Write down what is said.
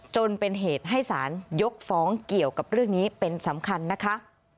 จนเป็นเหตุให้สารยกฟ้องเกี่ยวกับเรื่องนี้เป็นสำคัญนะคะ